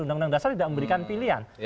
undang undang dasar tidak memberikan pilihan